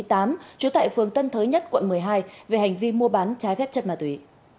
trú tại phường tân thới nhất quận một mươi hai về hành vi mua bán trái phép chất ma túy